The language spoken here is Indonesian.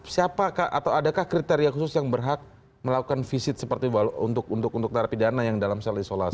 siapakah atau adakah kriteria khusus yang berhak melakukan visit seperti untuk narapidana yang dalam sel isolasi